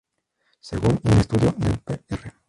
Según un estudio del Pr.